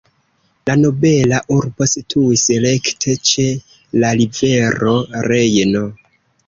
La nobela urbo situis rekte ĉe la rivero Rejno.